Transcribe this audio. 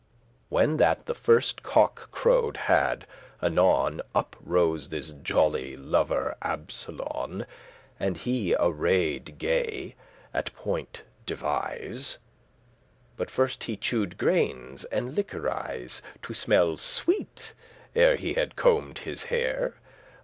When that the first cock crowed had, anon Up rose this jolly lover Absolon, And him arrayed gay, *at point devise.* *with exact care* But first he chewed grains<34> and liquorice, To smelle sweet, ere he had combed his hair.